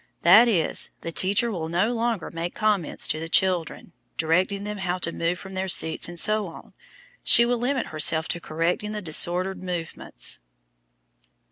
That is, the teacher will no longer make comments to the children, directing them how to move from their seats, etc., she will limit herself to correcting the disordered movements.